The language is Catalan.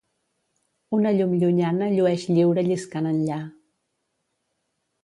Una llum llunyana llueix lliure lliscant enllà.